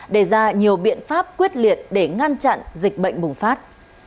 đề ra nhiều biện pháp quyết liệt để ngăn chặn dịch bệnh bùng phát